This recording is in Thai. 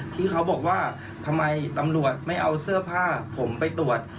ที่เขาบอกว่าทำไมตำรวจไม่เอาเสื้อผ้าผมไปตรวจ